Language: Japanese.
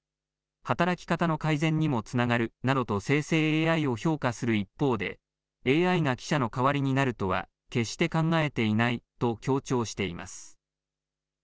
働き方の改善にもつながるなどと、生成ＡＩを評価する一方で、ＡＩが記者の代わりになるとは決して考えていないと強調しています。